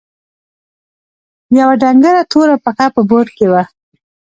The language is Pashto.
يوه ډنګره توره پښه په بوټ کښې وه.